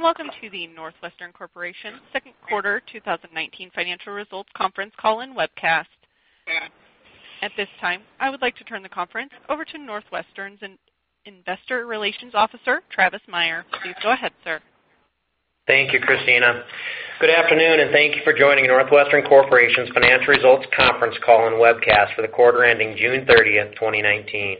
Welcome to the NorthWestern Corporation second quarter 2019 financial results conference call and webcast. At this time, I would like to turn the conference over to NorthWestern's Investor Relations Officer, Travis Meyer. Please go ahead, sir. Thank you, Christina. Good afternoon, thank you for joining NorthWestern Corporation's financial results conference call and webcast for the quarter ending June 30th, 2019.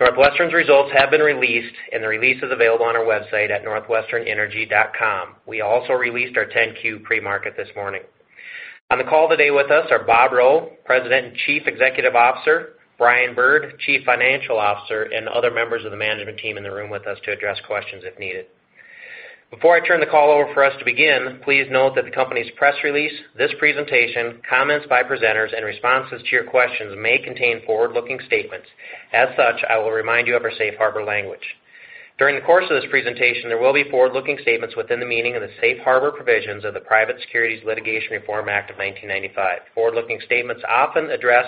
NorthWestern's results have been released, the release is available on our website at northwesternenergy.com. We also released our 10-Q pre-market this morning. On the call today with us are Bob Rowe, President and Chief Executive Officer, Brian Bird, Chief Financial Officer, other members of the management team in the room with us to address questions if needed. Before I turn the call over for us to begin, please note that the company's press release, this presentation, comments by presenters, and responses to your questions may contain forward-looking statements. As such, I will remind you of our safe harbor language. During the course of this presentation, there will be forward-looking statements within the meaning of the safe harbor provisions of the Private Securities Litigation Reform Act of 1995. Forward-looking statements often address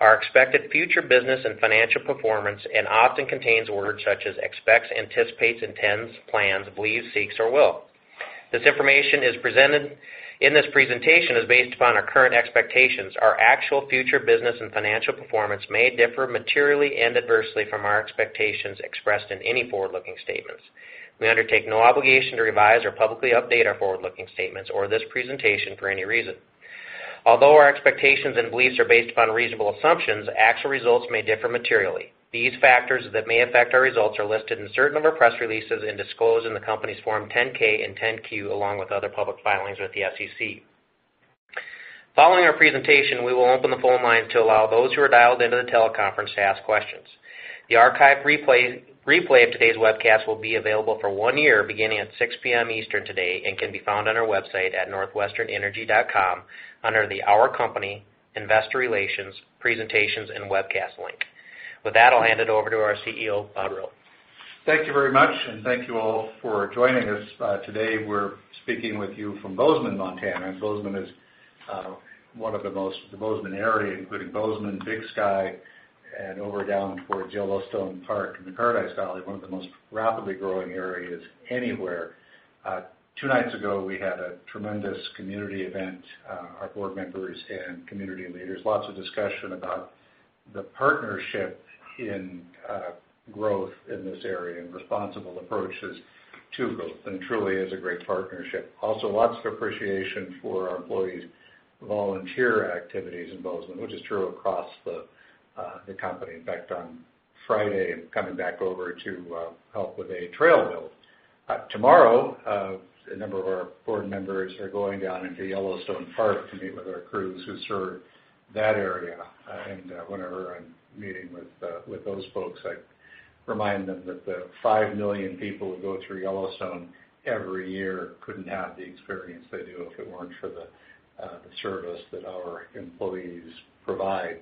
our expected future business and financial performance and often contains words such as expects, anticipates, intends, plans, believes, seeks, or will. This information is presented in this presentation is based upon our current expectations. Our actual future business and financial performance may differ materially and adversely from our expectations expressed in any forward-looking statements. We undertake no obligation to revise or publicly update our forward-looking statements or this presentation for any reason. Although our expectations and beliefs are based upon reasonable assumptions, actual results may differ materially. These factors that may affect our results are listed in certain of our press releases and disclosed in the company's Form 10-K and 10-Q, along with other public filings with the SEC. Following our presentation, we will open the phone lines to allow those who are dialed into the teleconference to ask questions. The archive replay of today's webcast will be available for one year beginning at 6:00 P.M. Eastern today and can be found on our website at northwesternenergy.com under the Our Company, Investor Relations, Presentations and Webcast link. With that, I'll hand it over to our CEO, Bob Rowe. Thank you very much, and thank you all for joining us. Today, we're speaking with you from Bozeman, Montana. The Bozeman area, including Bozeman, Big Sky, and over down toward Yellowstone Park in the Paradise Valley, one of the most rapidly growing areas anywhere. Two nights ago, we had a tremendous community event. Our board members and community leaders, lots of discussion about the partnership in growth in this area and responsible approaches to growth, and truly is a great partnership. Also, lots of appreciation for our employees' volunteer activities in Bozeman, which is true across the company. In fact, on Friday, I'm coming back over to help with a trail build. Tomorrow, a number of our board members are going down into Yellowstone Park to meet with our crews who serve that area. Whenever I'm meeting with those folks, I remind them that the 5 million people who go through Yellowstone every year couldn't have the experience they do if it weren't for the service that our employees provide.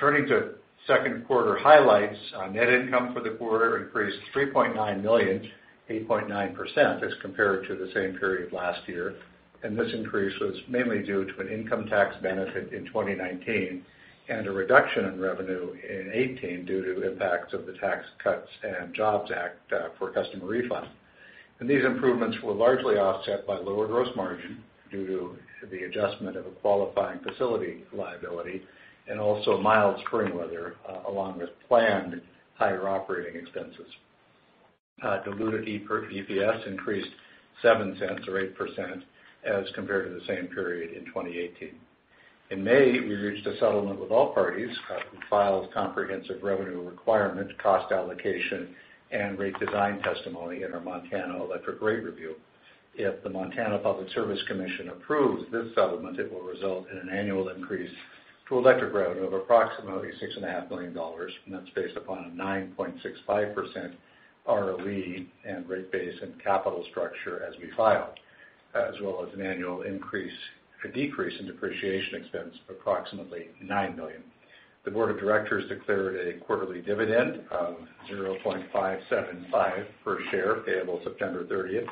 Turning to second quarter highlights. Net income for the quarter increased to $3.9 million, 8.9% as compared to the same period last year. This increase was mainly due to an income tax benefit in 2019 and a reduction in revenue in 2018 due to impacts of the Tax Cuts and Jobs Act for customer refunds. These improvements were largely offset by lower gross margin due to the adjustment of a qualifying facility liability and also mild spring weather, along with planned higher operating expenses. Diluted EPS increased $0.07 or 8% as compared to the same period in 2018. In May, we reached a settlement with all parties who filed comprehensive revenue requirement, cost allocation, and rate design testimony in our Montana Electric Rate review. If the Montana Public Service Commission approves this settlement, it will result in an annual increase to electric revenue of approximately $6.5 million, and that's based upon a 9.65% ROE and rate base and capital structure as we filed, as well as an annual decrease in depreciation expense of approximately $9 million. The board of directors declared a quarterly dividend of $0.575 per share, payable September 30th,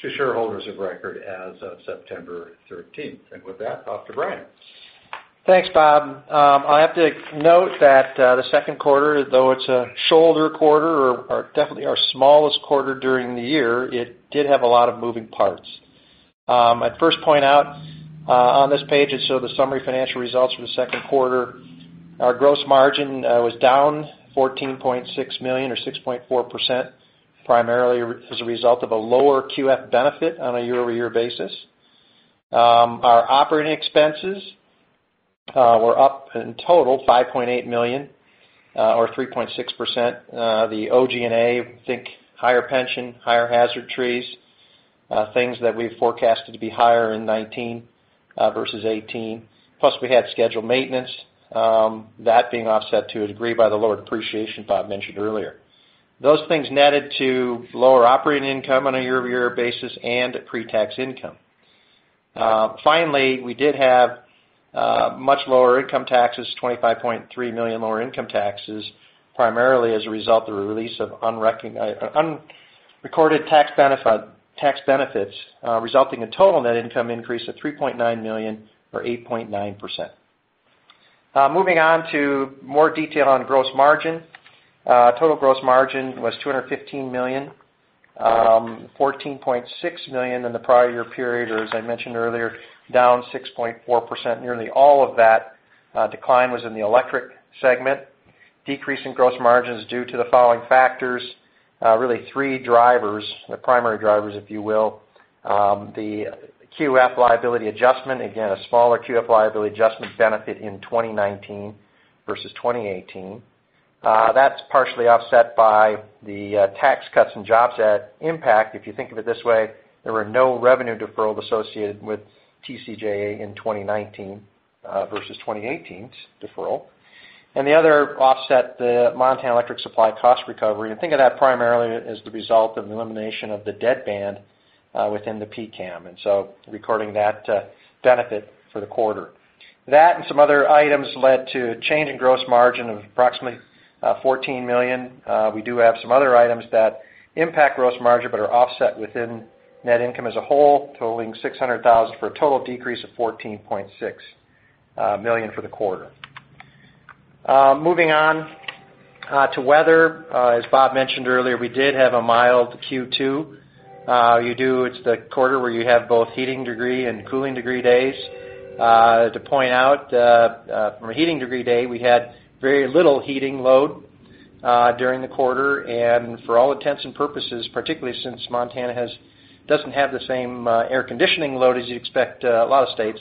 to shareholders of record as of September 13th. With that, off to Brian. Thanks, Bob. I have to note that the second quarter, though it's a shoulder quarter or definitely our smallest quarter during the year, it did have a lot of moving parts. I'd first point out on this page is so the summary financial results for the second quarter. Our gross margin was down $14.6 million or 6.4%, primarily as a result of a lower QF benefit on a year-over-year basis. Our operating expenses were up in total $5.8 million or 3.6%. The O&M, think higher pension, higher hazard trees, things that we've forecasted to be higher in 2019 versus 2018, plus we had scheduled maintenance, that being offset to a degree by the lower depreciation Bob mentioned earlier. Those things netted to lower operating income on a year-over-year basis and pre-tax income. We did have much lower income taxes, $25.3 million lower income taxes, primarily as a result of the release of unrecorded tax benefits, resulting in total net income increase of $3.9 million or 8.9%. Moving on to more detail on gross margin. Total gross margin was $215 million, $14.6 million in the prior year period, or as I mentioned earlier, down 6.4%. Nearly all of that decline was in the electric segment. Decrease in gross margin is due to the following factors, really three drivers, the primary drivers, if you will. The QF liability adjustment, again, a smaller QF liability adjustment benefit in 2019 versus 2018. That's partially offset by the Tax Cuts and Jobs Act impact. If you think of it this way, there were no revenue deferral associated with TCJA in 2019 versus 2018's deferral. The other offset, the Montana electric supply cost recovery. Think of that primarily as the result of the elimination of the dead band within the PCCAM, and so recording that benefit for the quarter. That and some other items led to a change in gross margin of approximately $14 million. We do have some other items that impact gross margin but are offset within net income as a whole, totaling $600,000 for a total decrease of $14.6 million for the quarter. Moving on to weather. As Bob mentioned earlier, we did have a mild Q2. It's the quarter where you have both heating degree and cooling degree days. To point out, from a heating degree day, we had very little heating load during the quarter. For all intents and purposes, particularly since Montana doesn't have the same air conditioning load as you'd expect a lot of states,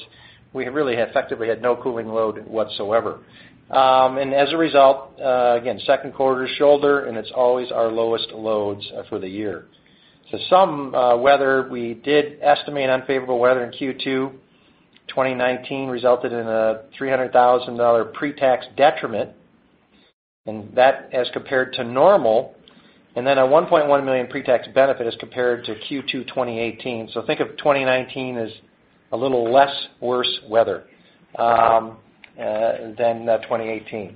we really effectively had no cooling load whatsoever. As a result, again, second quarter shoulder, and it's always our lowest loads for the year. Some weather, we did estimate unfavorable weather in Q2. 2019 resulted in a $300,000 pre-tax detriment, and that as compared to normal, and then a $1.1 million pre-tax benefit as compared to Q2 2018. Think of 2019 as a little less worse weather than 2018.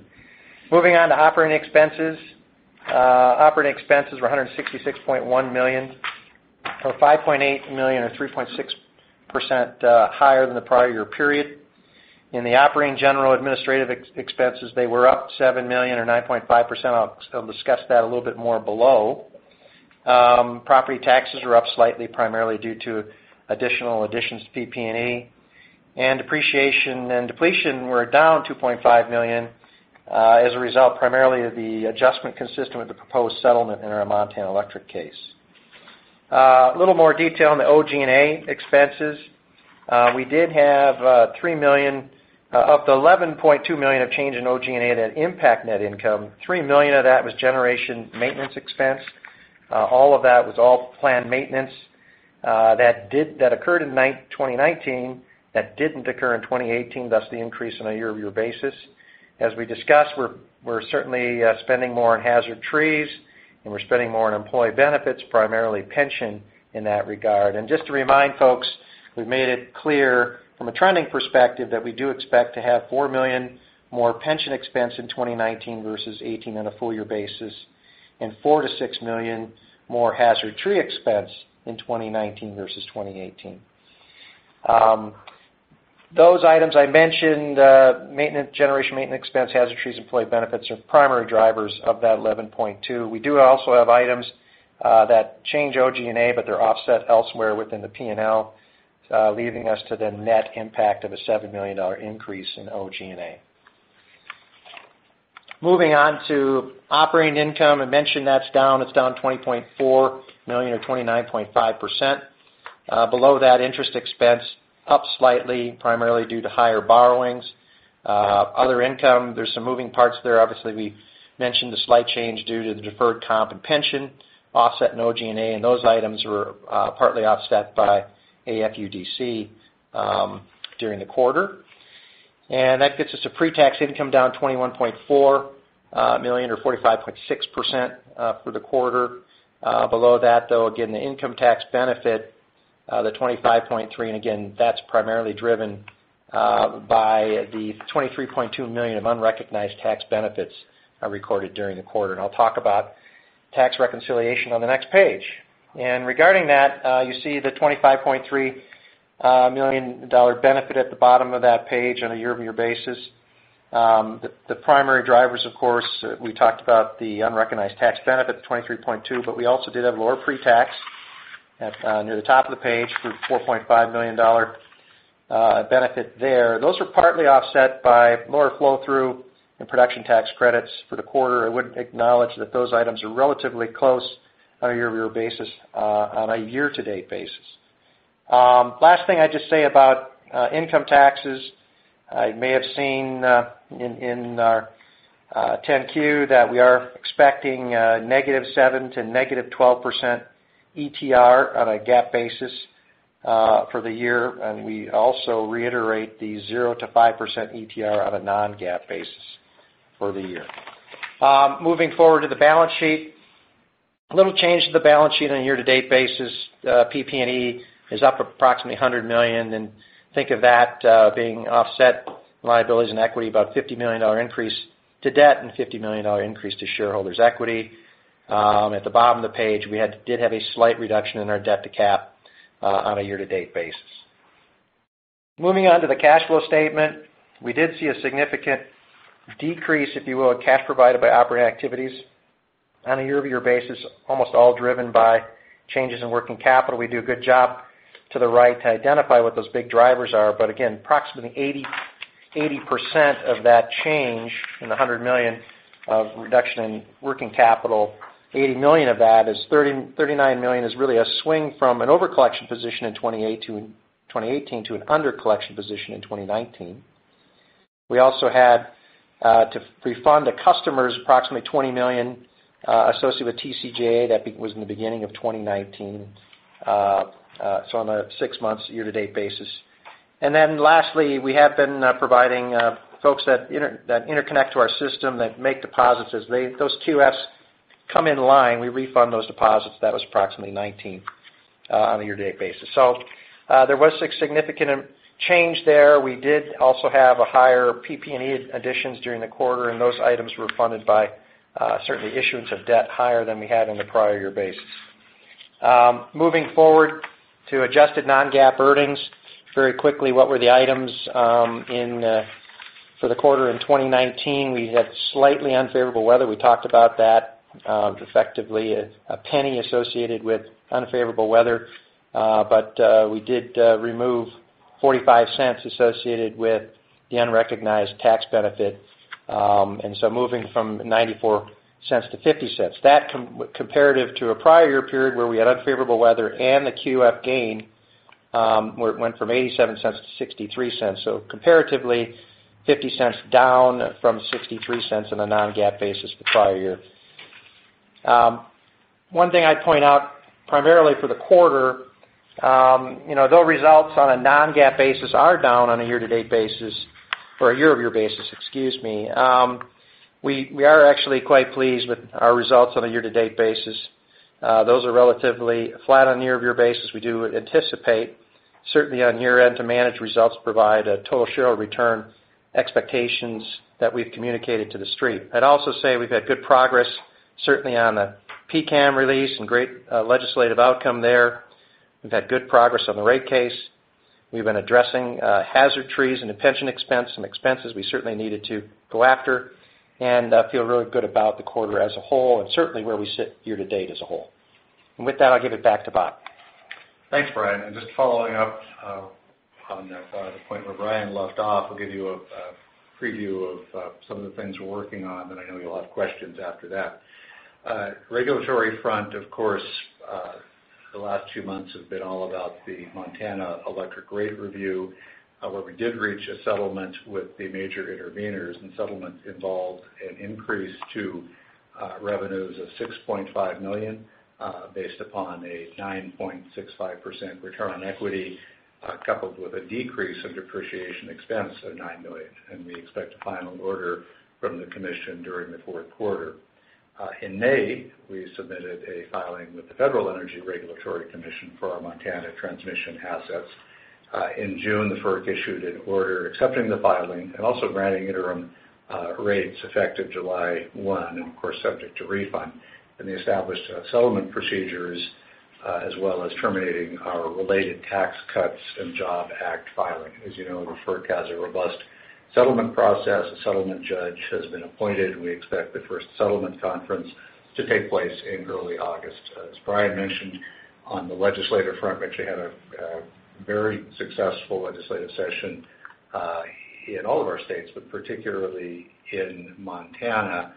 Moving on to operating expenses. Operating expenses were $166.1 million or $5.8 million or 3.6% higher than the prior year period. In the operating general administrative expenses, they were up $7 million or 9.5%. I'll discuss that a little bit more below. Property taxes were up slightly, primarily due to additional additions to PP&E. Depreciation and depletion were down $2.5 million as a result primarily of the adjustment consistent with the proposed settlement in our Montana electric case. A little more detail on the O&M expenses. We did have $3 million of the $11.2 million of change in O&M that impact net income. $3 million of that was generation maintenance expense. All of that was all planned maintenance that occurred in 2019 that didn't occur in 2018, thus the increase on a year-over-year basis. As we discussed, we're certainly spending more on hazard trees and we're spending more on employee benefits, primarily pension in that regard. Just to remind folks, we've made it clear from a trending perspective that we do expect to have $4 million more pension expense in 2019 versus 2018 on a full year basis and $4 million-$6 million more hazard tree expense in 2019 versus 2018. Those items I mentioned, maintenance generation, maintenance expense, hazard trees, employee benefits are primary drivers of that $11.2 million. We do also have items that change O&M, they're offset elsewhere within the P&L, leading us to the net impact of a $7 million increase in O&M. Moving on to operating income. I mentioned that's down. It's down $20.4 million or 29.5%. Below that, interest expense up slightly, primarily due to higher borrowings. Other income, there's some moving parts there. Obviously, we mentioned a slight change due to the deferred comp and pension offset in O&M, those items were partly offset by AFUDC during the quarter. That gets us to pre-tax income down $21.4 million or 45.6% for the quarter. Below that, though, again, the income tax benefit, the $25.3 million, again, that's primarily driven by the $23.2 million of unrecognized tax benefits recorded during the quarter. I'll talk about tax reconciliation on the next page. Regarding that, you see the $25.3 million benefit at the bottom of that page on a year-over-year basis. The primary drivers, of course, we talked about the unrecognized tax benefit, the 23.2, but we also did have lower pre-tax near the top of the page for $4.5 million benefit there. Those are partly offset by lower flow-through and production tax credits for the quarter. I would acknowledge that those items are relatively close on a year-over-year basis, on a year-to-date basis. Last thing I'd just say about income taxes, you may have seen in our 10-Q that we are expecting a -7% to -12% ETR on a GAAP basis for the year, and we also reiterate the 0% to 5% ETR on a non-GAAP basis for the year. Moving forward to the balance sheet. Little change to the balance sheet on a year-to-date basis. PP&E is up approximately $100 million. Think of that being offset liabilities and equity, about $50 million increase to debt and $50 million increase to shareholders' equity. At the bottom of the page, we did have a slight reduction in our debt to capital on a year-to-date basis. Moving on to the cash flow statement. We did see a significant decrease, if you will, of cash provided by operating activities on a year-over-year basis, almost all driven by changes in working capital. We do a good job to the right to identify what those big drivers are. Again, approximately 80% of that change in the $100 million of reduction in working capital, $80 million of that is $39 million, is really a swing from an over-collection position in 2018 to an under-collection position in 2019. We also had to refund the customers approximately $20 million associated with TCJA. That was in the beginning of 2019, on a six months year-to-date basis. Lastly, we have been providing folks that interconnect to our system, that make deposits as those QFs come in line, we refund those deposits. That was approximately $19 on a year-to-date basis. There was a significant change there. We did also have a higher PP&E additions during the quarter, and those items were funded by certainly issuance of debt higher than we had on the prior year-basis. Moving forward to adjusted non-GAAP earnings. Very quickly, what were the items for the quarter in 2019? We had slightly unfavorable weather. We talked about that, effectively $0.01 associated with unfavorable weather. We did remove $0.45 associated with the unrecognized tax benefit. Moving from $0.94 to $0.50. Comparative to a prior-year period where we had unfavorable weather and the QF gain, where it went from $0.87 to $0.63. Comparatively, $0.50 down from $0.63 on a non-GAAP basis the prior-year. One thing I'd point out primarily for the quarter, though results on a non-GAAP basis are down on a year-to-date basis, or a year-over-year basis, excuse me, we are actually quite pleased with our results on a year-to-date basis. Those are relatively flat on a year-over-year basis. We do anticipate, certainly on year-end, to manage results, provide total shareholder return expectations that we've communicated to the Street. I'd also say we've had good progress, certainly on the PCCAM release and great legislative outcome there. We've had good progress on the rate case. We've been addressing hazard trees and pension expense, some expenses we certainly needed to go after. Feel really good about the quarter as a whole and certainly where we sit year-to-date as a whole. With that, I'll give it back to Bob. Thanks, Brian. Just following up on the point where Brian left off, I'll give you a preview of some of the things we're working on, and I know you'll have questions after that. Regulatory front, of course, the last two months have been all about the Montana electric rate review, where we did reach a settlement with the major interveners. Settlement involved an increase to revenues of $6.5 million, based upon a 9.65% return on equity, coupled with a decrease in depreciation expense of $9 million. We expect a final order from the commission during the fourth quarter. In May, we submitted a filing with the Federal Energy Regulatory Commission for our Montana transmission assets. In June, the FERC issued an order accepting the filing and also granting interim rates effective July 1, and of course, subject to refund. They established settlement procedures, as well as terminating our related Tax Cuts and Jobs Act filing. As you know, the FERC has a robust settlement process. A settlement judge has been appointed. We expect the first settlement conference to take place in early August. As Brian mentioned, on the legislative front, we actually had a very successful legislative session in all of our states, but particularly in Montana.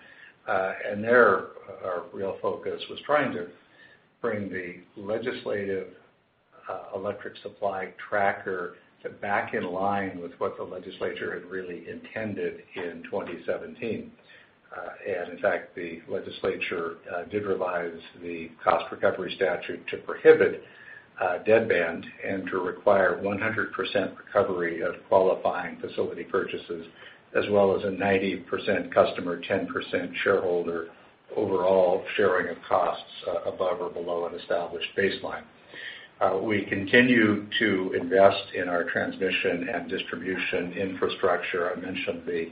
There, our real focus was trying to bring the legislative electric supply tracker to back in line with what the legislature had really intended in 2017. In fact, the legislature did revise the cost recovery statute to prohibit deadband and to require 100% recovery of qualifying facility purchases, as well as a 90% customer, 10% shareholder overall sharing of costs above or below an established baseline. We continue to invest in our transmission and distribution infrastructure. I mentioned the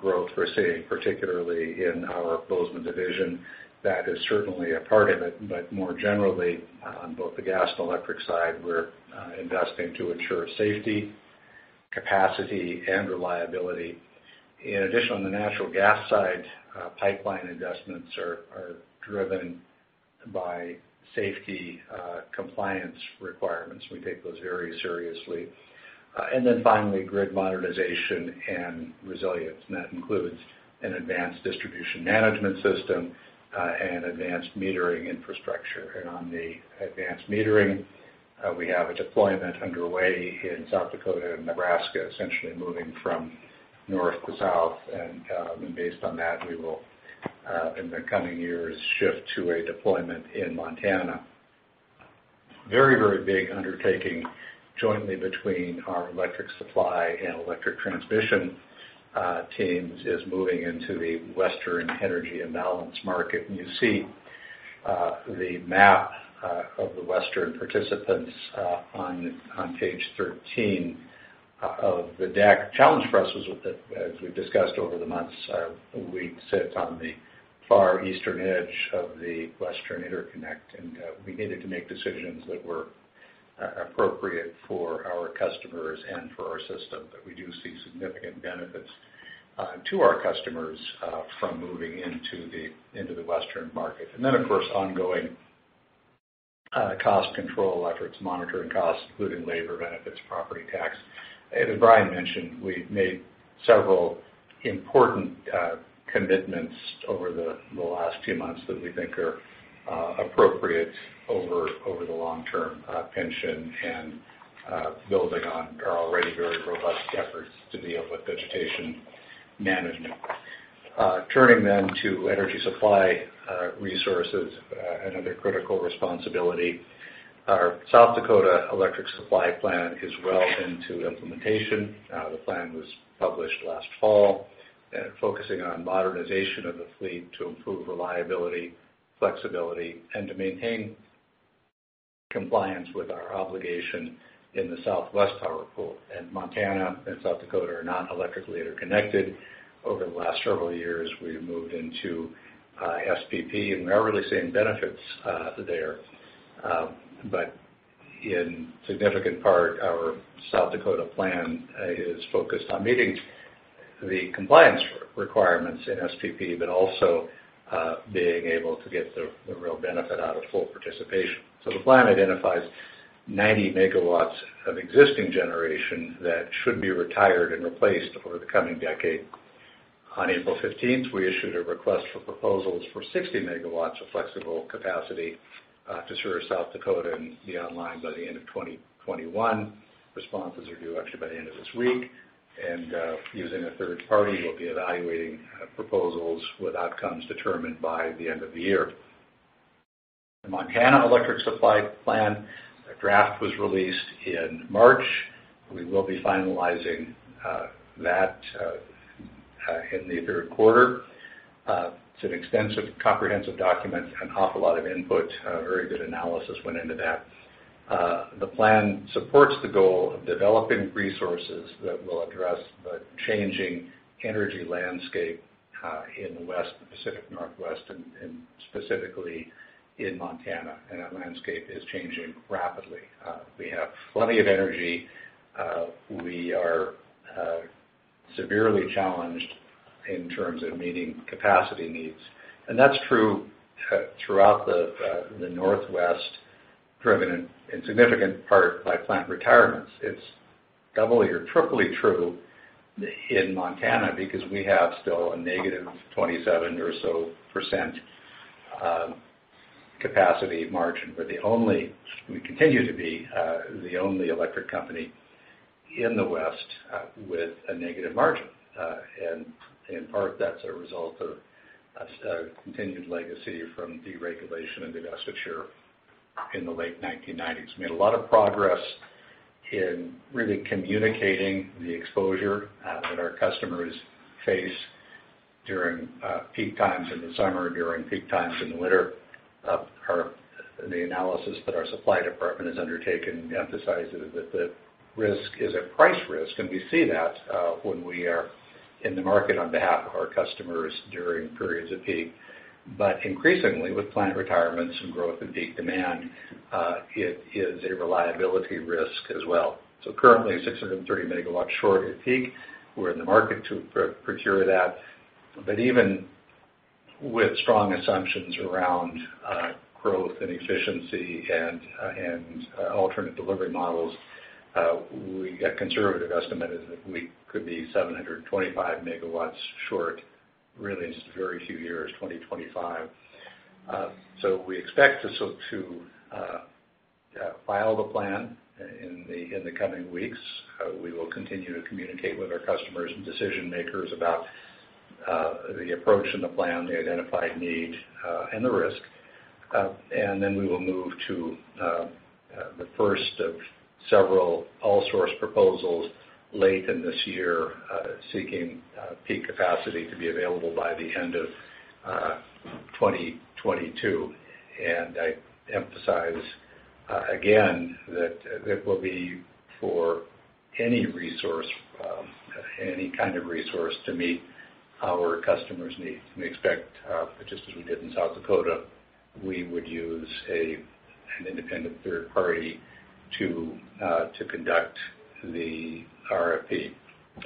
growth we're seeing, particularly in our Bozeman division. That is certainly a part of it. More generally, on both the gas and electric side, we're investing to ensure safety, capacity, and reliability. In addition, on the natural gas side, pipeline investments are driven by safety compliance requirements. We take those very seriously. Then finally, grid modernization and resilience. That includes an advanced distribution management system and advanced metering infrastructure. On the advanced metering, we have a deployment underway in South Dakota and Nebraska, essentially moving from north to south. Based on that, we will, in the coming years, shift to a deployment in Montana. Very big undertaking jointly between our electric supply and electric transmission teams is moving into the Western Energy Imbalance Market. You see the map of the western participants on page 13 of the deck. Challenge for us was that as we've discussed over the months, we sit on the far eastern edge of the Western Interconnection, and we needed to make decisions that were appropriate for our customers and for our system. We do see significant benefits to our customers from moving into the Western market. Of course, ongoing cost control efforts, monitoring costs, including labor benefits, property tax. As Brian mentioned, we've made several important commitments over the last two months that we think are appropriate over the long term, pension and building on our already very robust efforts to deal with vegetation management. Turning to energy supply resources, another critical responsibility. Our South Dakota electric supply plan is well into implementation. The plan was published last fall, focusing on modernization of the fleet to improve reliability, flexibility, and to maintain compliance with our obligation in the Southwest Power Pool. Montana and South Dakota are not electrically interconnected. Over the last several years, we've moved into SPP, and we are really seeing benefits there. In significant part, our South Dakota plan is focused on meeting the compliance requirements in SPP, but also being able to get the real benefit out of full participation. The plan identifies 90 MW of existing generation that should be retired and replaced over the coming decade. On April 15th, we issued a request for proposals for 60 MW of flexible capacity to serve South Dakota and be online by the end of 2021. Responses are due actually by the end of this week. Using a third party, we'll be evaluating proposals with outcomes determined by the end of the year. The Montana electric supply plan draft was released in March. We will be finalizing that in the third quarter. It's an extensive, comprehensive document. An awful lot of input, a very good analysis went into that. The plan supports the goal of developing resources that will address the changing energy landscape in the West Pacific Northwest and specifically in Montana. That landscape is changing rapidly. We have plenty of energy. We are severely challenged in terms of meeting capacity needs, and that's true throughout the Northwest, driven in significant part by plant retirements. It's doubly or triply true in Montana because we have still a negative 27% or so capacity margin. We continue to be the only electric company in the West with a negative margin. In part, that's a result of a continued legacy from deregulation and divestiture in the late 1990s. We made a lot of progress in really communicating the exposure that our customers face during peak times in the summer, during peak times in the winter. The analysis that our supply department has undertaken emphasizes that the risk is a price risk, and we see that when we are in the market on behalf of our customers during periods of peak. Increasingly with plant retirements and growth in peak demand, it is a reliability risk as well. Currently 630 megawatts short at peak. We're in the market to procure that. Even with strong assumptions around growth and efficiency and alternate delivery models, a conservative estimate is that we could be 725 megawatts short, really in just very few years, 2025. We expect to file the plan in the coming weeks. We will continue to communicate with our customers and decision makers about the approach in the plan, the identified need, and the risk. We will move to the first of several all-source proposals late in this year, seeking peak capacity to be available by the end of 2022. I emphasize again that that will be for any kind of resource to meet our customers' needs. We expect, just as we did in South Dakota, we would use an independent third party to conduct the RFP.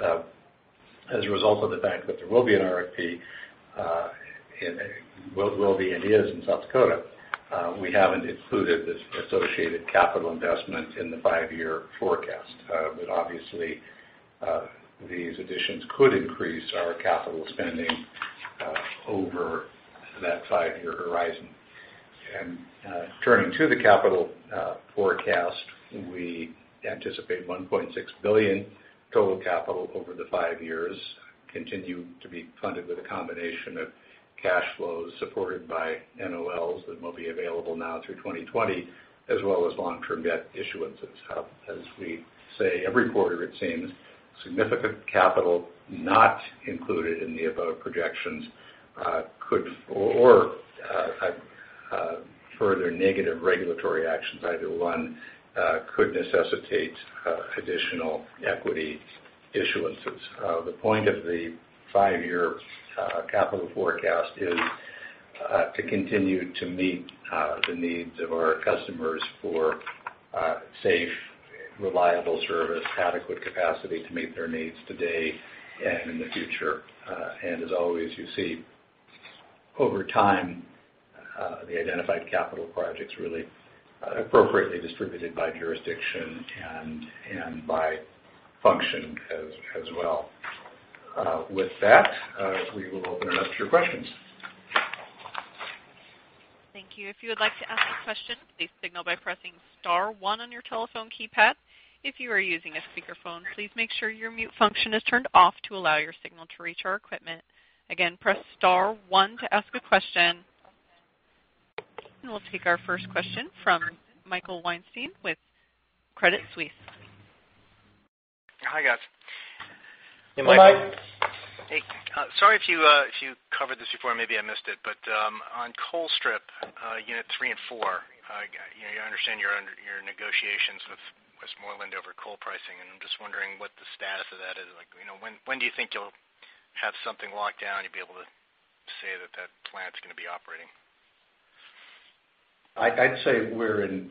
As a result of the fact that there will be an RFP, will be and is in South Dakota, we haven't included the associated capital investment in the five-year forecast. Obviously, these additions could increase our capital spending over that five-year horizon. Turning to the capital forecast, we anticipate $1.6 billion total capital over the five years, continue to be funded with a combination of cash flows supported by NOLs that will be available now through 2020, as well as long-term debt issuances. As we say every quarter, it seems. Significant capital not included in the above projections, or further negative regulatory actions, either one, could necessitate additional equity issuances. The point of the five-year capital forecast is to continue to meet the needs of our customers for safe, reliable service, adequate capacity to meet their needs today and in the future. As always, you see over time, the identified capital projects really appropriately distributed by jurisdiction and by function as well. With that, we will open it up to your questions. Thank you. If you would like to ask a question, please signal by pressing star one on your telephone keypad. If you are using a speakerphone, please make sure your mute function is turned off to allow your signal to reach our equipment. Again, press star one to ask a question. We'll take our first question from Michael Weinstein with Credit Suisse. Hi, guys. Hey, Mike. Hey. Sorry if you covered this before, maybe I missed it. On Colstrip unit three and four, I understand you're under negotiations with Westmoreland over coal pricing, I'm just wondering what the status of that is. When do you think you'll have something locked down, you'll be able to say that that plant's going to be operating? I'd say we're in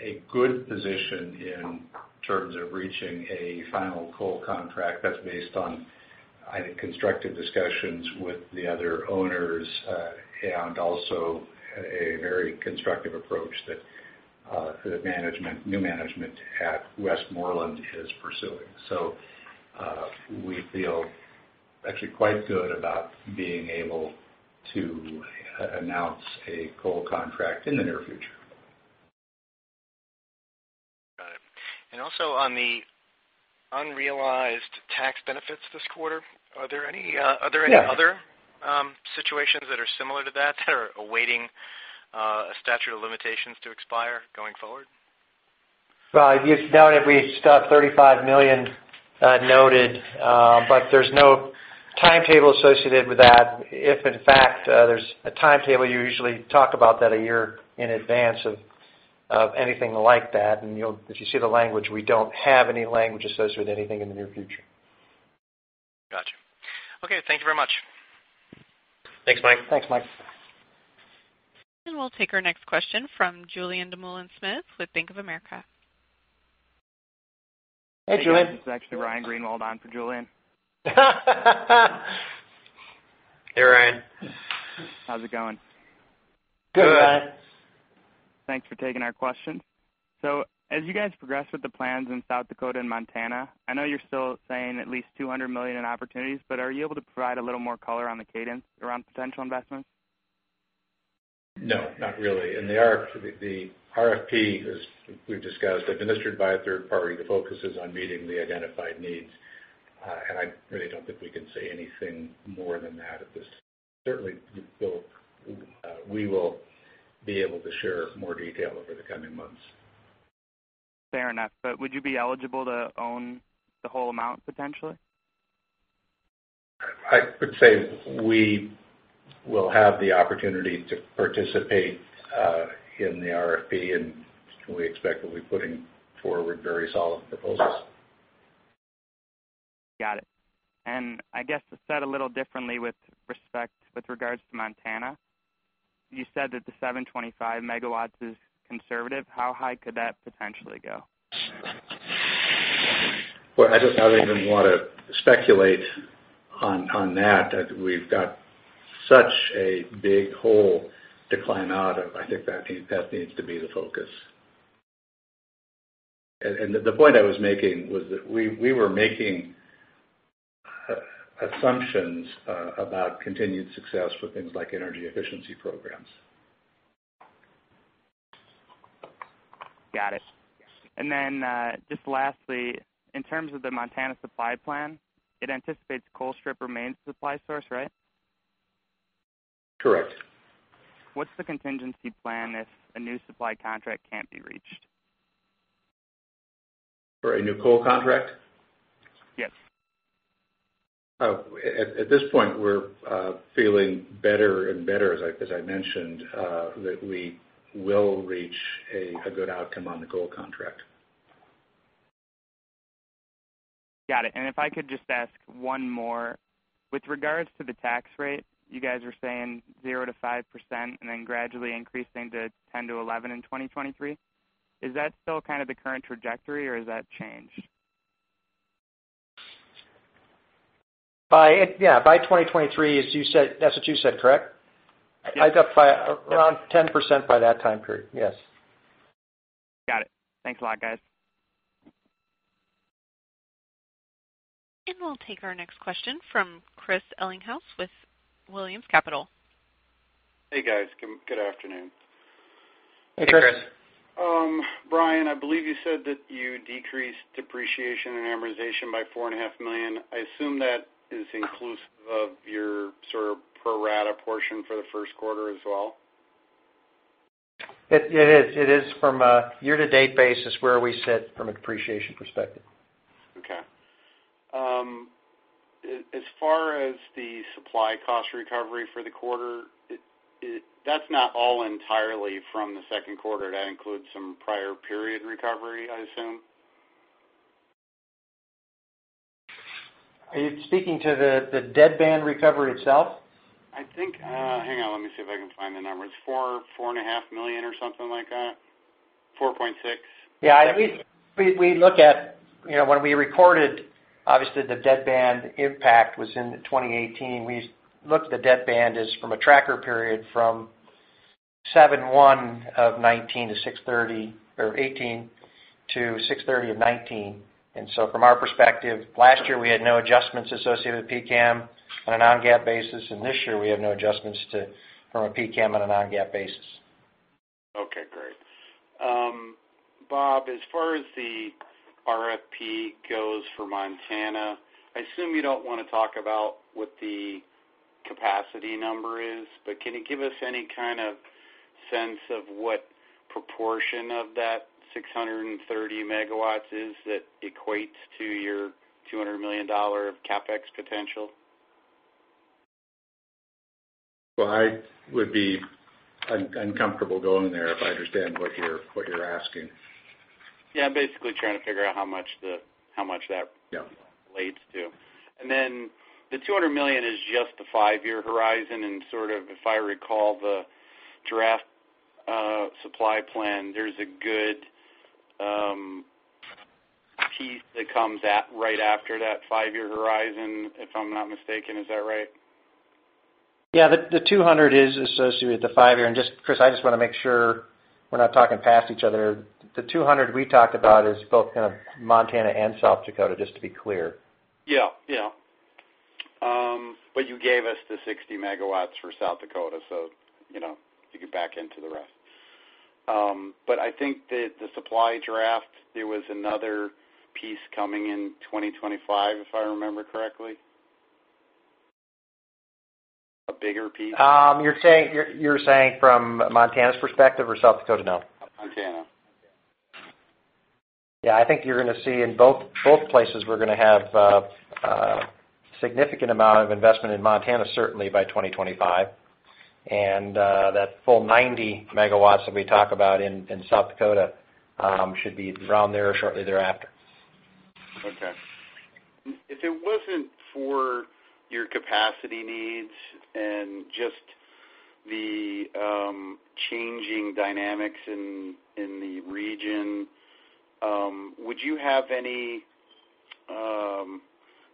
a good position in terms of reaching a final coal contract that's based on, I think, constructive discussions with the other owners and also a very constructive approach that the new management at Westmoreland is pursuing. We feel actually quite good about being able to announce a coal contract in the near future. Got it. Also on the unrealized tax benefits this quarter, are there any? Yes other situations that are similar to that are awaiting statute of limitations to expire going forward? Well, you've noted we've got $35 million noted, but there's no timetable associated with that. If in fact, there's a timetable, you usually talk about that one year in advance of anything like that. If you see the language, we don't have any language associated with anything in the near future. Got you. Okay. Thank you very much. Thanks, Mike. We'll take our next question from Julien Dumoulin-Smith with Bank of America. Hey, Julien. This is actually Ryan Greenwald on for Julien. Hey, Ryan. How's it going? Good. Thanks for taking our question. As you guys progress with the plans in South Dakota and Montana, I know you're still saying at least $200 million in opportunities, but are you able to provide a little more color on the cadence around potential investments? No, not really. The RFP, as we've discussed, administered by a third party, the focus is on meeting the identified needs. I really don't think we can say anything more than that at this time. Certainly, we will be able to share more detail over the coming months. Fair enough. Would you be eligible to own the whole amount potentially? I could say we will have the opportunity to participate in the RFP, and we expect that we'll be putting forward very solid proposals. Got it. I guess, said a little differently with regards to Montana. You said that the 725 megawatts is conservative. How high could that potentially go? Boy, I don't even want to speculate on that. We've got such a big hole to climb out of. I think that needs to be the focus. The point I was making was that we were making assumptions about continued success for things like energy efficiency programs. Got it. Then, just lastly, in terms of the Montana supply plan, it anticipates Colstrip remains the supply source, right? Correct. What's the contingency plan if a new supply contract can't be reached? For a new coal contract? Yes. At this point, we're feeling better and better, as I mentioned, that we will reach a good outcome on the coal contract. Got it. If I could just ask one more. With regards to the tax rate, you guys are saying 0%-5% and then gradually increasing to 10%-11% in 2023. Is that still kind of the current trajectory, or has that changed? By 2023, that's what you said, correct? Yes. Around 10% by that time period. Yes. Got it. Thanks a lot, guys. We'll take our next question from Chris Ellinghaus with Williams Capital. Hey, guys. Good afternoon. Hey, Chris. Brian, I believe you said that you decreased depreciation and amortization by $four and a half million. I assume that is inclusive of your sort of pro rata portion for the first quarter as well? It is from a year-to-date basis where we sit from a depreciation perspective. Okay. As far as the supply cost recovery for the quarter, that's not all entirely from the second quarter. That includes some prior period recovery, I assume? Are you speaking to the deadband recovery itself? I think. Hang on, let me see if I can find the number. It's four and a half million dollars or something like that, $4.6 million. Yeah. When we recorded, obviously, the deadband impact was in 2018. We looked at the deadband as from a tracker period from 7/1/2019 to 6/30/2018 or 6/30/2019. From our perspective, last year, we had no adjustments associated with PCAM on a non-GAAP basis, and this year we have no adjustments from a PCAM on a non-GAAP basis. Okay, great. Bob, as far as the RFP goes for Montana, I assume you don't want to talk about what the capacity number is, but can you give us any kind of sense of what proportion of that 630 megawatts is that equates to your $200 million of CapEx potential? Well, I would be uncomfortable going there if I understand what you're asking. Yeah. I'm basically trying to figure out how much. Yeah relates to. Then the $200 million is just the 5-year horizon, and sort of if I recall the draft supply plan, there's a good piece that comes at right after that 5-year horizon, if I'm not mistaken. Is that right? Yeah. The 200 is associated with the five-year. Just, Chris, I just want to make sure we're not talking past each other. The 200 we talked about is both kind of Montana and South Dakota, just to be clear. Yeah. You gave us the 60 megawatts for South Dakota, so to get back into the rest. I think that the supply draft, there was another piece coming in 2025, if I remember correctly. A bigger piece. You're saying from Montana's perspective or South Dakota now? Montana. Yeah. I think you're going to see in both places, we're going to have a significant amount of investment in Montana, certainly by 2025. That full 90 megawatts that we talk about in South Dakota should be around there or shortly thereafter. Okay.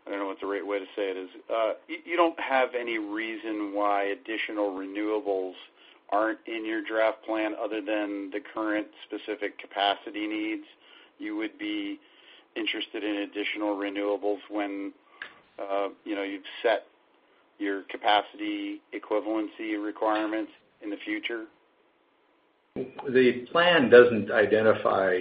I don't know what the right way to say it is. You don't have any reason why additional renewables aren't in your draft plan other than the current specific capacity needs? You would be interested in additional renewables when you've set your capacity equivalency requirements in the future? The plan doesn't identify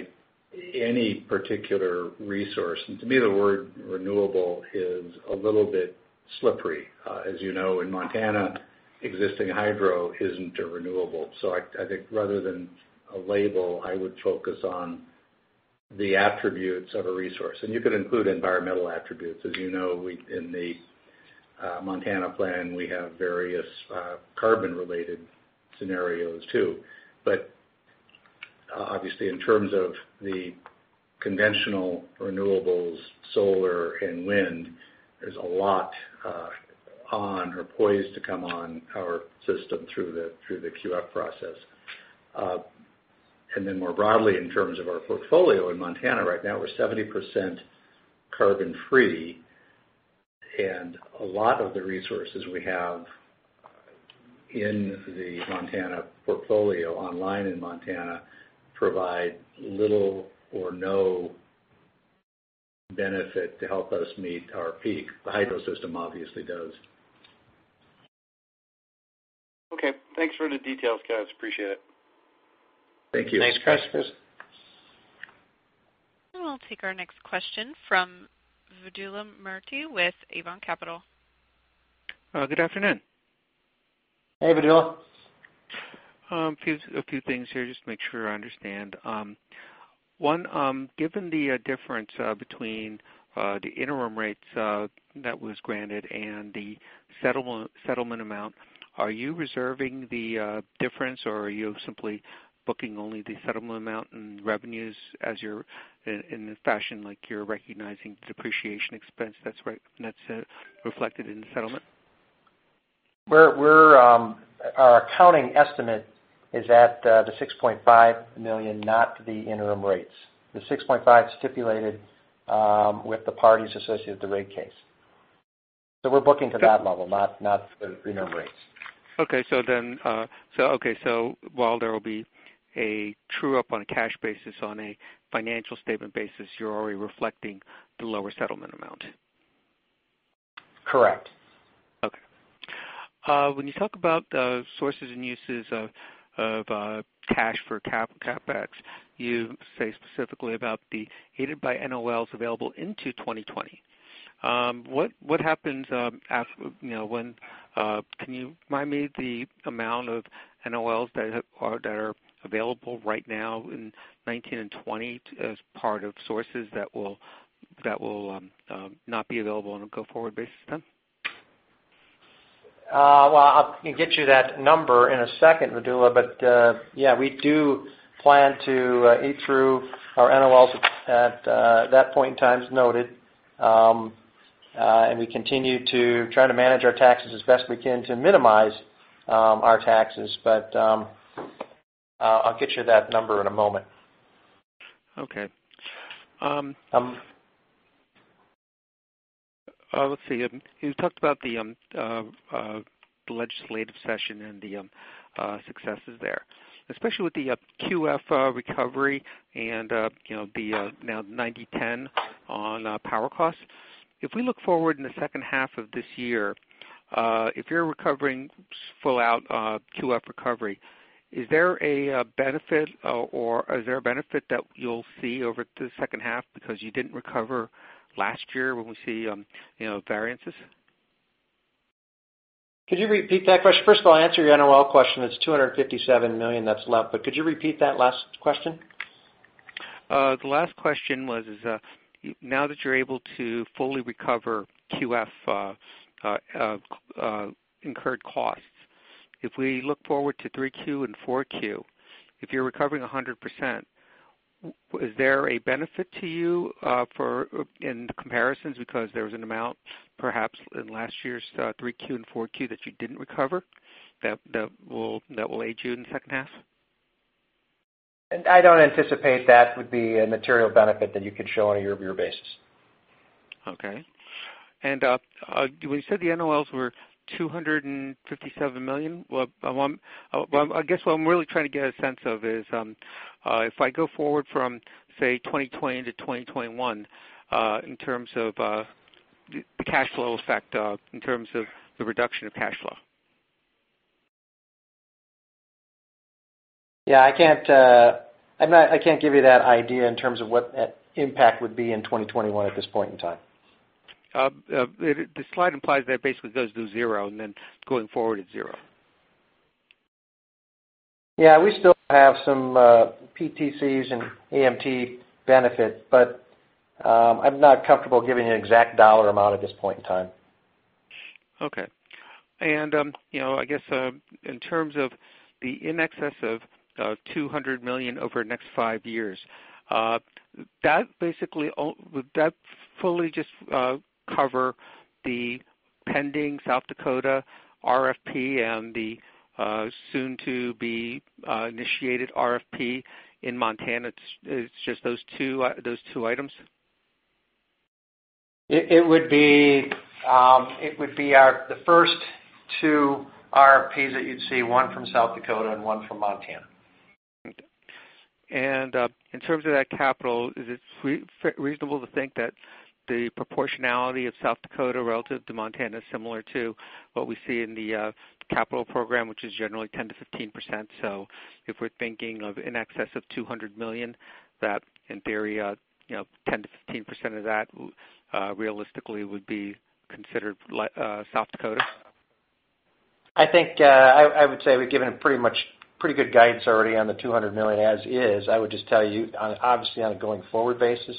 any particular resource. To me, the word renewable is a little bit slippery. As you know, in Montana, existing hydro isn't a renewable. I think rather than a label, I would focus on the attributes of a resource. You could include environmental attributes. As you know, in the Montana plan, we have various carbon-related scenarios, too. Obviously, in terms of the conventional renewables, solar and wind, there's a lot on or poised to come on our system through the QF process. More broadly, in terms of our portfolio in Montana right now, we're 70% carbon-free, and a lot of the resources we have in the Montana portfolio online in Montana provide little or no benefit to help us meet our peak. The hydro system obviously does. Okay. Thanks for the details, guys. Appreciate it. Thank you. Thanks, Chris. We'll take our next question from Vidula Mirchi with Avon Capital. Good afternoon. Hey, Vidula. A few things here just to make sure I understand. One, given the difference between the interim rates that was granted and the settlement amount, are you reserving the difference, or are you simply booking only the settlement amount and revenues as you're in the fashion like you're recognizing depreciation expense that's reflected in the settlement? Our accounting estimate is at the $6.5 million, not the interim rates. The $6.5 stipulated with the parties associated with the rate case. We're booking to that level, not the interim rates. Okay. While there will be a true-up on a cash basis, on a financial statement basis, you're already reflecting the lower settlement amount. Correct. Okay. When you talk about sources and uses of cash for CapEx, you say specifically about the aided by NOLs available into 2020. Can you remind me the amount of NOLs that are available right now in 2019 and 2020 as part of sources that will not be available on a go-forward basis then? Well, I'll get you that number in a second, Vidula. Yeah, we do plan to eat through our NOLs at that point in time as noted. We continue to try to manage our taxes as best we can to minimize our taxes. I'll get you that number in a moment. Okay. Let's see. You talked about the legislative session and the successes there, especially with the QF recovery and the now 90/10 on power costs. If we look forward in the second half of this year, if you're recovering full out QF recovery, is there a benefit, or is there a benefit that you'll see over the second half because you didn't recover last year when we see variances? Could you repeat that question? First of all, to answer your NOL question, it's $257 million that's left. Could you repeat that last question? The last question was, now that you're able to fully recover QF incurred costs, if we look forward to three Q and four Q, if you're recovering 100%, is there a benefit to you in the comparisons? Because there was an amount perhaps in last year's three Q and four Q that you didn't recover, that will aid you in the second half. I don't anticipate that would be a material benefit that you could show on a year-over-year basis. Okay. When you said the NOLs were $257 million, well, I guess what I'm really trying to get a sense of is, if I go forward from, say, 2020 to 2021, in terms of the cash flow effect, in terms of the reduction of cash flow. Yeah, I can't give you that idea in terms of what that impact would be in 2021 at this point in time. The slide implies that it basically goes to zero and then going forward is zero. Yeah. We still have some PTCs and AMT benefit, but I'm not comfortable giving you an exact dollar amount at this point in time. Okay. I guess, in terms of the in excess of $200 million over the next five years, would that fully just cover the pending South Dakota RFP and the soon-to-be-initiated RFP in Montana? It's just those two items? It would be the first two RFPs that you'd see, one from South Dakota and one from Montana. In terms of that capital, is it reasonable to think that the proportionality of South Dakota relative to Montana is similar to what we see in the capital program, which is generally 10%-15%? If we're thinking of in excess of $200 million, that in theory, 10%-15% of that realistically would be considered South Dakota? I think I would say we've given pretty good guidance already on the $200 million as is. I would just tell you, obviously, on a going forward basis,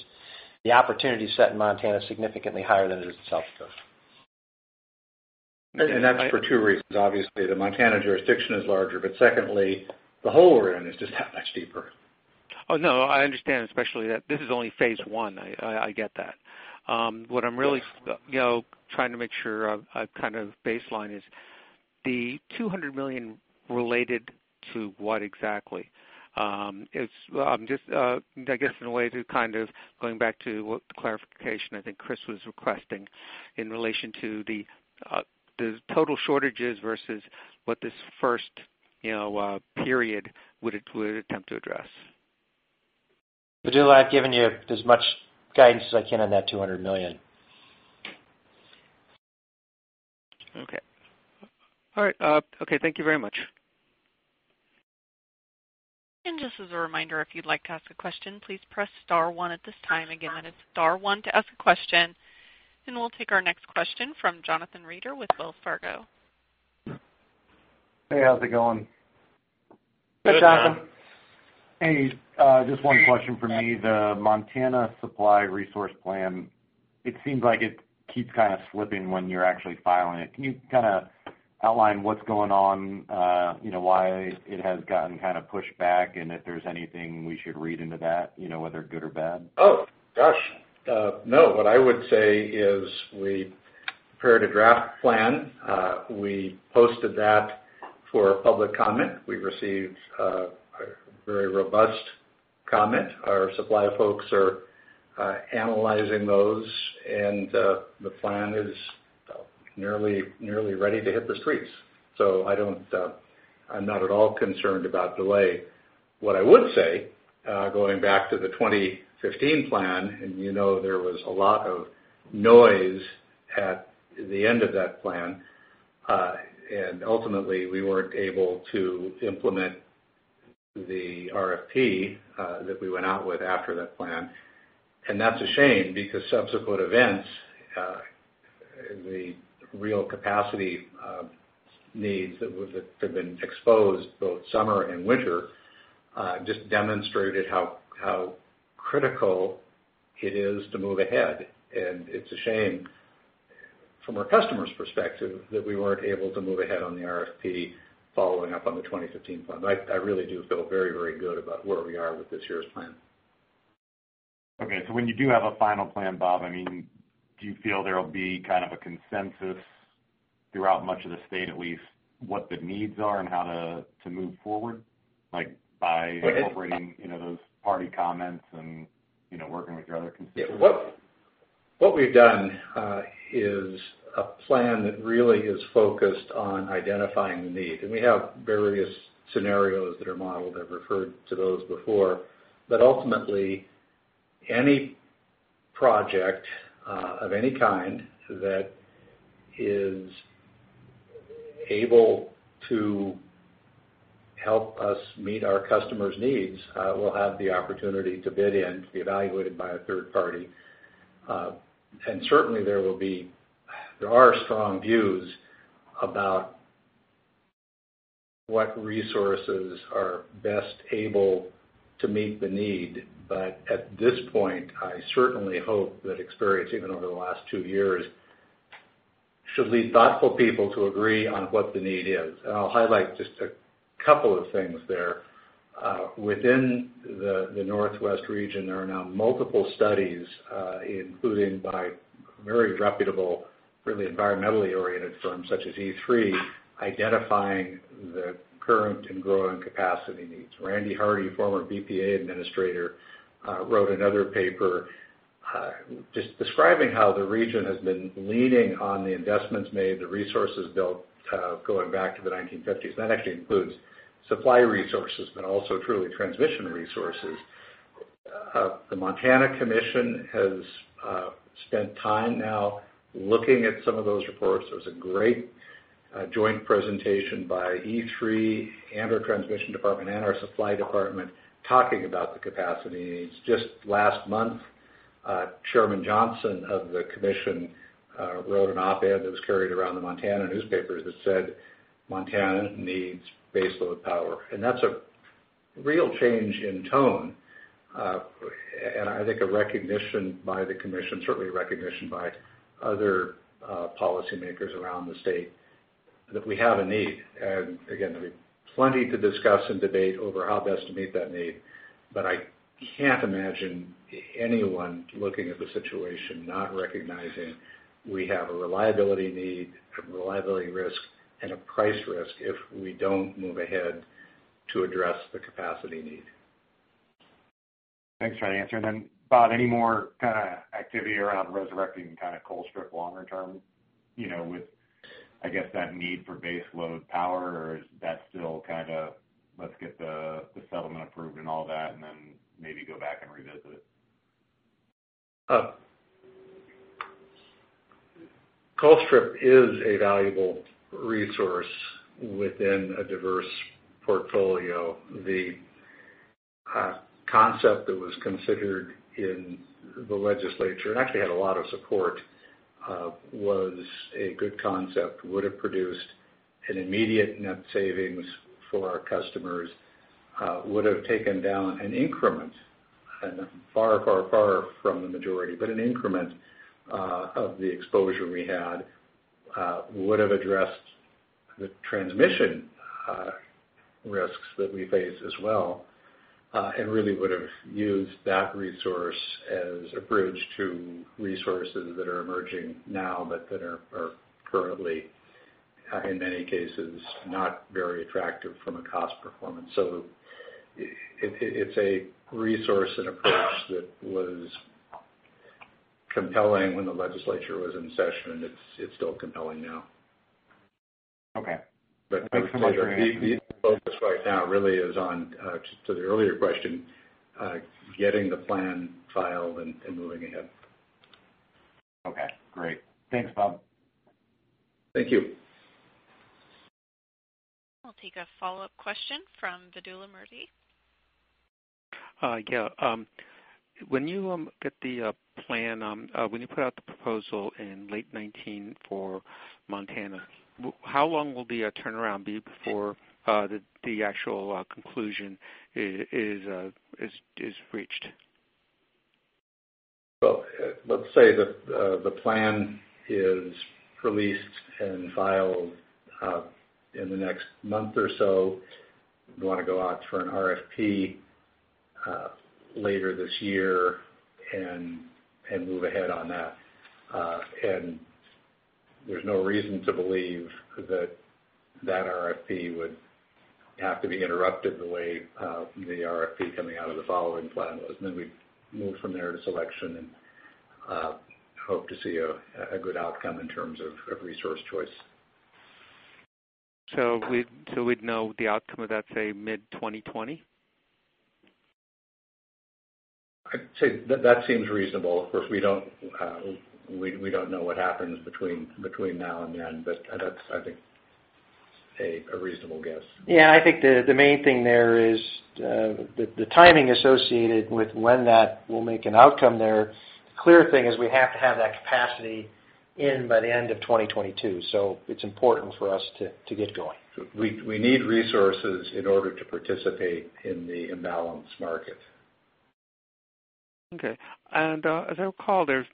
the opportunity set in Montana is significantly higher than it is in South Dakota. That's for two reasons. Obviously, the Montana jurisdiction is larger, but secondly, the hole we're in is just that much deeper. No, I understand, especially that this is only phase one. I get that. What I'm really trying to make sure of, a kind of baseline is, the $200 million related to what exactly? I guess in a way to kind of going back to the clarification I think Chris was requesting in relation to the total shortages versus what this first period would attempt to address. Vidula, I've given you as much guidance as I can on that $200 million. Okay. All right. Okay. Thank you very much. Just as a reminder, if you'd like to ask a question, please press star one at this time. Again, that is star one to ask a question. We'll take our next question from Jonathan Reeder with Wells Fargo. Hey, how's it going? Hey, Jonathan. Hey, just one question from me. The Montana Supply Resource Plan, it seems like it keeps kind of slipping when you're actually filing it. Can you kind of outline what's going on? Why it has gotten kind of pushed back, and if there's anything we should read into that, whether good or bad? Oh, gosh. No. What I would say is we prepared a draft plan. We posted that for public comment. We received a very robust comment. Our supply folks are analyzing those, The plan is nearly ready to hit the streets. I'm not at all concerned about delay. What I would say, going back to the 2015 plan, you know there was a lot of noise at the end of that plan. Ultimately, we weren't able to implement the RFP that we went out with after that plan. That's a shame because subsequent events, the real capacity needs that have been exposed, both summer and winter, just demonstrated how critical it is to move ahead. It's a shame from our customers' perspective that we weren't able to move ahead on the RFP following up on the 2015 plan. I really do feel very good about where we are with this year's plan. Okay, when you do have a final plan, Bob, do you feel there will be kind of a consensus throughout much of the state, at least what the needs are and how to move forward? Well. incorporating those party comments and working with your other constituents? What we've done is a plan that really is focused on identifying the need, and we have various scenarios that are modeled. I've referred to those before. Ultimately, any project of any kind that is able to help us meet our customers' needs will have the opportunity to bid in, to be evaluated by a third party. Certainly, there are strong views about what resources are best able to meet the need. At this point, I certainly hope that experience, even over the last two years, should lead thoughtful people to agree on what the need is. I'll highlight just a couple of things there. Within the Northwest region, there are now multiple studies, including by very reputable, really environmentally oriented firms such as E3, identifying the current and growing capacity needs. Randy Hardy, former BPA administrator, wrote another paper just describing how the region has been leaning on the investments made, the resources built, going back to the 1950s. That actually includes supply resources, but also truly transmission resources. The Montana Commission has spent time now looking at some of those reports. There was a great joint presentation by E3 and our transmission department and our supply department talking about the capacity needs. Just last month, Chairman Johnson of the commission wrote an op-ed that was carried around the Montana newspapers that said Montana needs baseload power. That's a real change in tone, and I think a recognition by the Commission, certainly a recognition by other policymakers around the state, that we have a need. Again, there'll be plenty to discuss and debate over how best to meet that need. I can't imagine anyone looking at the situation not recognizing we have a reliability need, a reliability risk, and a price risk if we don't move ahead to address the capacity need. Thanks for the answer. Bob, any more kind of activity around resurrecting Colstrip longer term, with, I guess, that need for baseload power, or is that still kind of, let's get the settlement approved and all that, and then maybe go back and revisit? Colstrip is a valuable resource within a diverse portfolio. The concept that was considered in the legislature, and actually had a lot of support, was a good concept, would've produced an immediate net savings for our customers, would've taken down an increment, and far from the majority, but an increment, of the exposure we had, would've addressed the transmission risks that we face as well, and really would've used that resource as a bridge to resources that are emerging now, but that are currently, in many cases, not very attractive from a cost performance. It's a resource and approach that was compelling when the legislature was in session, and it's still compelling now. Okay. Thanks so much for answering that. The focus right now really is on, to the earlier question, getting the plan filed and moving ahead. Okay, great. Thanks, Bob. Thank you. We'll take a follow-up question from Vidula Mirchi. Yeah. When you put out the proposal in late 2019 for Montana, how long will the turnaround be before the actual conclusion is reached? Well, let's say that the plan is released and filed in the next month or so. We want to go out for an RFP later this year and move ahead on that. There's no reason to believe that that RFP would have to be interrupted the way the RFP coming out of the following plan was. We'd move from there to selection and hope to see a good outcome in terms of resource choice. We'd know the outcome of that, say, mid 2020? I'd say that seems reasonable. Of course, we don't know what happens between now and then, but that's, I think, a reasonable guess. Yeah. I think the main thing there is the timing associated with when that will make an outcome there. The clear thing is we have to have that capacity in by the end of 2022. It's important for us to get going. We need resources in order to participate in the imbalance market. Okay. As I recall, there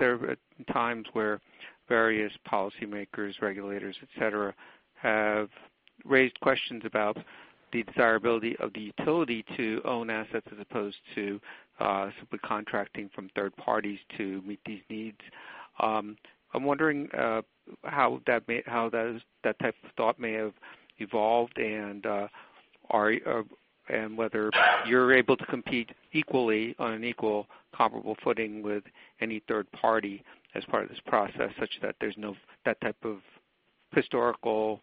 are times where various policymakers, regulators, et cetera, have raised questions about the desirability of the utility to own assets as opposed to simply contracting from third parties to meet these needs. I'm wondering how that type of thought may have evolved and whether you're able to compete equally on an equal comparable footing with any third party as part of this process, such that type of historical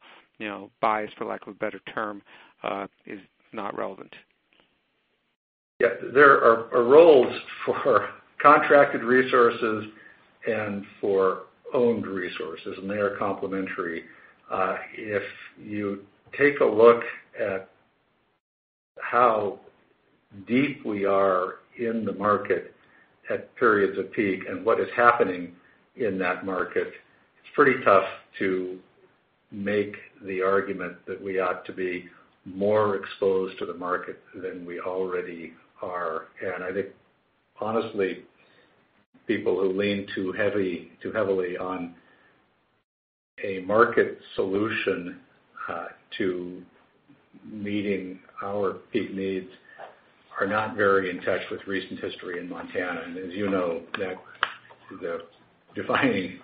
bias, for lack of a better term, is not relevant. Yeah. There are roles for contracted resources and for owned resources, and they are complementary. If you take a look at how deep we are in the market at periods of peak and what is happening in that market, it's pretty tough to make the argument that we ought to be more exposed to the market than we already are. I think, honestly, people who lean too heavily on a market solution to meeting our peak needs are not very in touch with recent history in Montana. As you know, the defining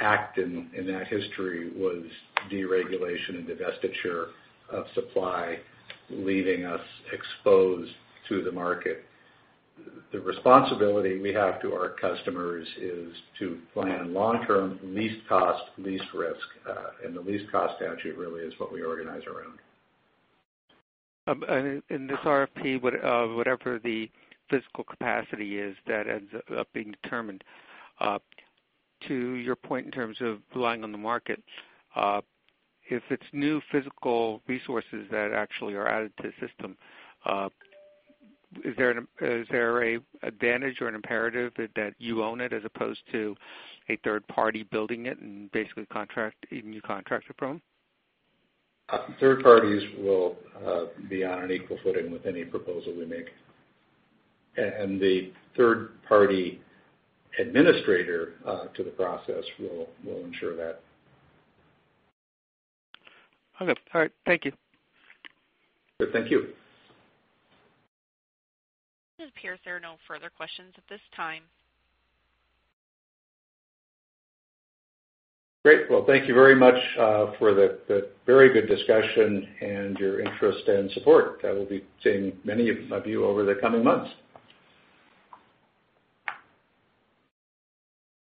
act in that history was deregulation and divestiture of supply, leaving us exposed to the market. The responsibility we have to our customers is to plan long-term, least cost, least risk. The least cost statute really is what we organize around. In this RFP, whatever the physical capacity is that ends up being determined, to your point in terms of relying on the market, if it's new physical resources that actually are added to the system, is there an advantage or an imperative that you own it as opposed to a third party building it and basically you contract it from? Third parties will be on an equal footing with any proposal we make. The third-party administrator to the process will ensure that. Okay. All right. Thank you. Thank you. It appears there are no further questions at this time. Great. Thank you very much for the very good discussion and your interest and support. I will be seeing many of you over the coming months.